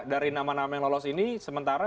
dari nama nama yang lolos ini sementara